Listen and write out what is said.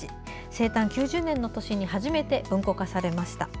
生誕９０年の年に初めて文庫化されました。